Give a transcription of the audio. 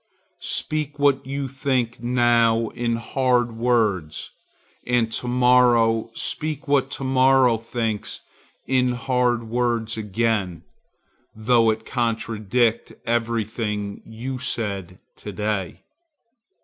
Speak what you think now in hard words and to morrow speak what to morrow thinks in hard words again, though it contradict every thing you said to day.